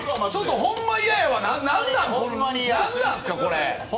ほんまに嫌やわ何なんですか？